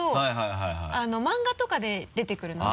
漫画とかで出てくるので。